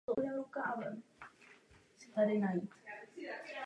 V případě řádné péče jsou tato rizika u kvalitních výrobků minimální.